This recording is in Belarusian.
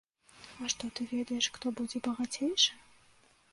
А што ты ведаеш, хто будзе багацейшы?!